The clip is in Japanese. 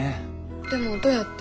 でもどうやって？